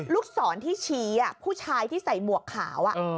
ลูกศรที่ชี้ผู้ชายที่ใส่หมวกขาว